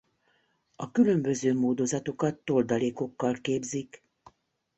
A különböző módozatokat toldalékokkal képzik.